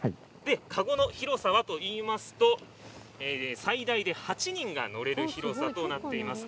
籠の広さはといいますと最大で８人が乗れる広さとなっています。